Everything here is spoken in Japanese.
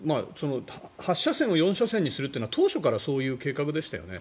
８車線を４車線にするというのは当初からそういう計画でしたよね。